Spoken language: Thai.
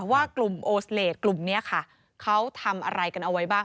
ว่ากลุ่มโอสเลสกลุ่มนี้ค่ะเขาทำอะไรกันเอาไว้บ้าง